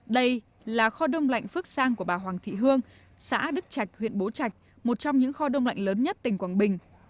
đây là kho đông lạnh phước sang của bà hoàng thị hương xã đức trạch huyện bố trạch một trong những kho đông lạnh lớn nhất tỉnh quảng bình